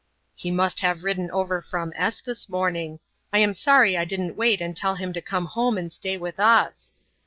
"He must have ridden over from S this morning. I am sorry I didn't wait and ask him to come home and stay with us."